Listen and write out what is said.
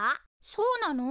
そうなの？